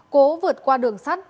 cố vượt qua đường sắt